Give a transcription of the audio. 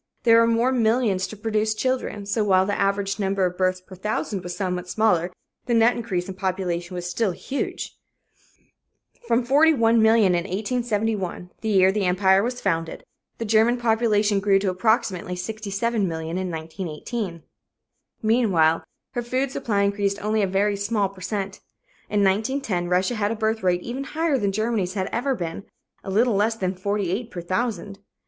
There were more millions to produce children, so while the average number of births per thousand was somewhat smaller, the net increase in population was still huge. From 41,000,000 in 1871, the year the Empire was founded, the German population grew to approximately 67,000,000 in 1918. Meanwhile her food supply increased only a very small per cent. In 1910, Russia had a birth rate even higher than Germany's had ever been a little less than 48 per thousand.